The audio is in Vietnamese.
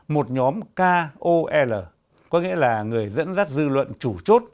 một nhóm ko có nghĩa là người dẫn dắt dư luận chủ chốt